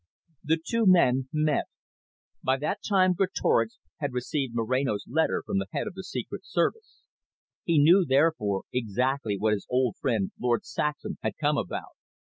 The two men met. By that time Greatorex had received Moreno's letter from the head of the Secret Service. He knew, therefore, exactly what his old friend Lord Saxham had come about.